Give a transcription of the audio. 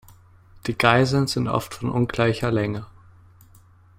Die Geißeln sind oft von ungleicher Länge.